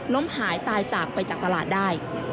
หายตายจากไปจากตลาดได้